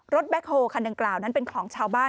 แบคโฮคันดังกล่าวนั้นเป็นของชาวบ้าน